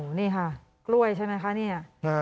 นี่ค่ะกล้วยใช่ไหมคะเนี่ย